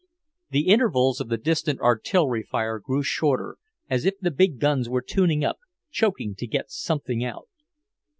The intervals of the distant artillery fire grew shorter, as if the big guns were tuning up, choking to get something out.